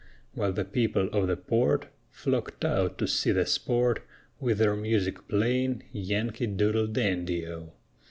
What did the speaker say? While the people of the port Flocked out to see the sport, With their music playing Yankee Doodle Dandy O!